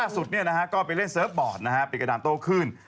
ล่าสุดเนี่ยนะฮะก็ไปเล่นเซอร์ฟบอร์ดนะฮะไปกระดามโตคืน